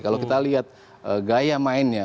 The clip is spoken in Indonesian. kalau kita lihat gaya mainnya